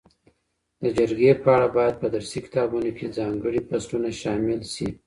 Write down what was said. د جرګې په اړه باید په درسي کتابونو کي ځانګړي فصلونه شامل سي.